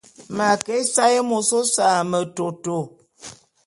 M'a ke ésaé môs ôse a metôtô.